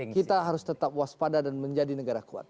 kita harus tetap waspada dan menjadi negara kuat